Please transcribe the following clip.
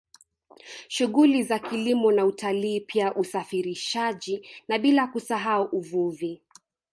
Shughuli za kilimo na utalii pia usafirishaji na bila kusahau uvuvi